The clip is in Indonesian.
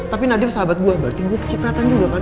tapi nadief sahabat gue berarti gue kecipratan juga kan